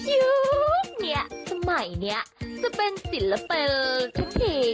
ยุคเนี่ยสมัยเนี่ยจะเป็นศิลป์เป็นชั้นเท